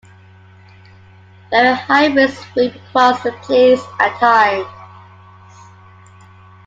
Very high winds sweep across the plains at times.